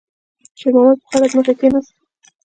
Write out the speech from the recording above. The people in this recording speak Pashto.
شېرمحمد په خړه ځمکه کېناست.